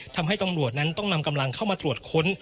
ทำให้ตำรวจนั้นต้องนำกำลังเข้ามาตรวจค้น